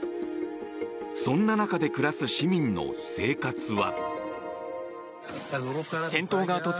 そんな中で暮らす市民の生活は。